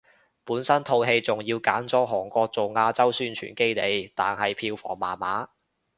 本身套戲仲要揀咗韓國做亞洲宣傳基地，但係票房麻麻